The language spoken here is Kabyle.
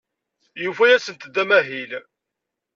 Yufa-asent-d amahil.